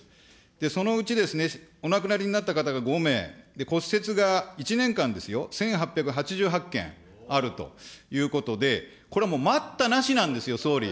そのうちですね、お亡くなりになった方が５名、骨折が、１年間ですよ、１８８８件あるということで、これはもう、待ったなしなんですよ、総理。